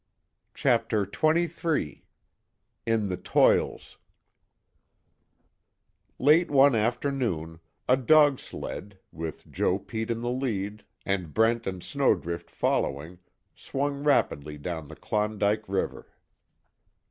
CHAPTER XXIII IN THE TOILS Late one afternoon, a dog sled, with Joe Pete in the lead, and Brent and Snowdrift following swung rapidly down the Klondike River.